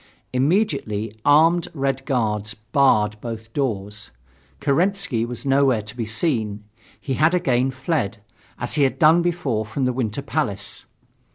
Immediately armed Red Guards barred both doors. Kerensky was nowhere to be seen. He had again fled, as he had done before from the Winter Palace.